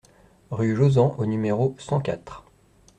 Rue Jozan au numéro cent quatre